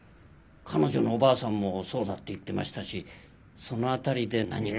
彼女のおばあさんもそうだって言ってましたしその辺りで何か？